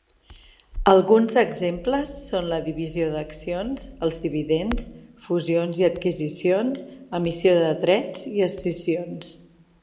Alguns exemples són la divisió d'accions, els dividends, fusions i adquisicions, emissió de drets i escissions.